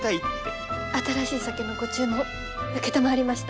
新しい酒のご注文承りました。